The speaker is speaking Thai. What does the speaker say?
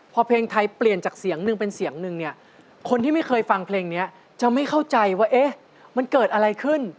พอเพลงไทยเปลี่ยนจากเสียงหนึ่งเป็นเสียงหนึ่งเนี่ยคนที่ไม่เคยฟังเพลงนี้จะไม่เข้าใจว่าเอ๊ะมันเกิดอะไรขึ้น